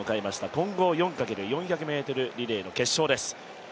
混合４×４００ｍリレーの決勝です。